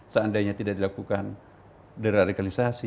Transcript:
seandainya tidak dilakukan deregalisasi